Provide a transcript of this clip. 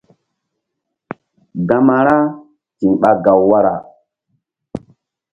Gama ra ti̧h ɓa gaw wara.